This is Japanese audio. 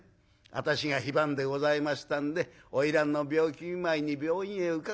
『私が非番でございましたんで花魁の病気見舞いに病院へ伺いました。